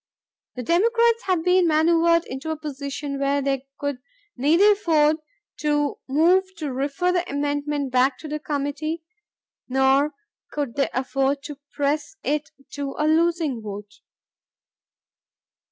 The Democrats had been manaeuvered into a position where they could neither afford to move to refer the amendment back to the committee, nor could they afford to press it to a losing vote.